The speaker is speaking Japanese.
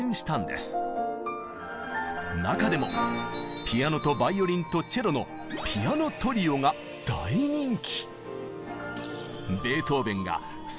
中でもピアノとバイオリンとチェロの「ピアノトリオ」が大人気！